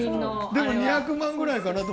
でも２００万くらいかなと。